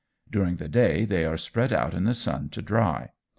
During the day they are spread out in the sun to dry.